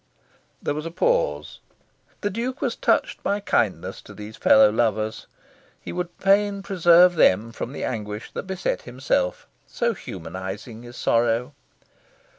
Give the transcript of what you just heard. There was a pause. The Duke was touched to kindness for these fellow lovers. He would fain preserve them from the anguish that beset himself. So humanising is sorrow.